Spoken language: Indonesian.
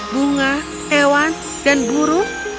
bunga hewan dan burung